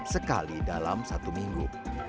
sekali dalam satu minggu